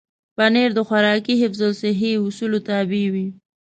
پنېر د خوراکي حفظ الصحې اصولو تابع وي.